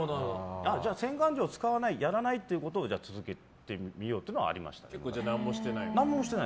じゃあ洗顔料使わないやらないというのを続けてみようっていうのはありました。